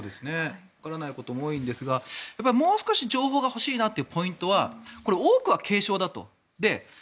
わからないことも多いんですがもう少し情報が欲しいなというポイントは多くは軽症だと。